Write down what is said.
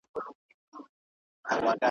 د دې پردیو له چیناره سره نه جوړیږي ,